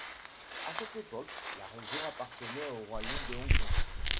À cette époque, la région appartenait au Royaume de Hongrie.